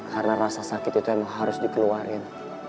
karena rasa sakit itu emang harus dikeluarin